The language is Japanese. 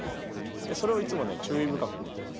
でそれをいつもね注意深く見てます。